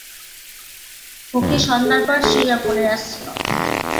খুকী সন্ধ্যার পর শুইয়া পড়িয়াছিল।